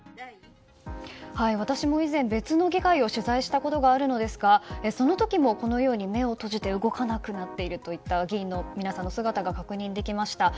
私も以前、別の議会を取材したことがあるのですがその時もこのように目を閉じて動かなくなっているというような議員の皆さんの姿が確認できました。